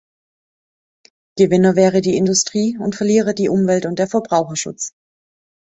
Gewinner wäre die Industrie und Verlierer die Umwelt und der Verbraucherschutz.